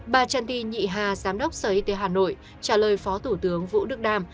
bà trần thị nhị hà giám đốc sở y tế hà nội trả lời phó thủ tướng vũ đức đam